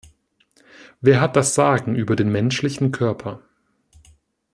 Wer hat das Sagen über den menschlichen Körper?